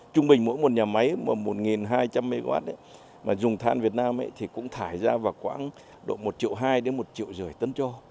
trung bình mỗi một nhà máy một hai trăm linh mw mà dùng than việt nam thì cũng thải ra vào khoảng độ một hai một năm triệu tấn cho